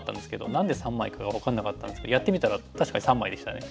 何で３枚かが分かんなかったんですけどやってみたら確かに３枚でしたね。